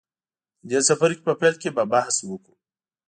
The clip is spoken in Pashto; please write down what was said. د دې څپرکي په پیل کې به بحث وکړو.